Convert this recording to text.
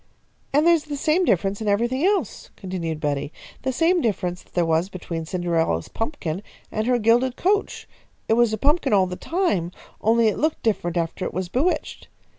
"And there's the same difference in everything else," continued Betty. "The same difference that there was between Cinderella's pumpkin and her gilded coach. It was a pumpkin all the time, only it looked different after it was bewitched.